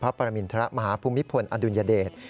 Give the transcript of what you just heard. พระประมินทรมหาภูมิภลอดุลยเดช